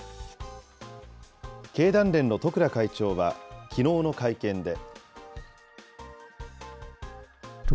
経団連の十倉会長はきのうの会見で。